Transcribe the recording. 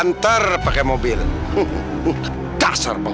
nah druuuh kukuping sudah selesai